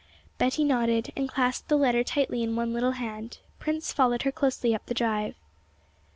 Betty nodded, and clasped the letter tightly in one little hand, Prince followed her closely up the drive.